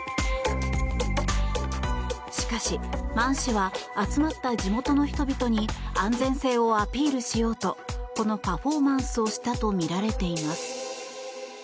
しかしマン氏は集まった地元の人々に安全性をアピールしようとこのパフォーマンスをしたとみられています。